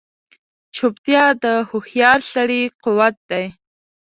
چوپتیا، د هوښیار سړي قوت دی.